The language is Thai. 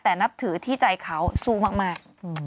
แต่นับถือที่ใจเขาสู้มาก